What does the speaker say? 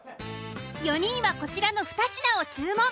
４人はこちらの２品を注文。